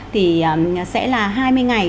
thì sẽ là hai mươi ngày